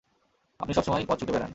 আপনি সবসময় পথ শুঁকে বেড়ান!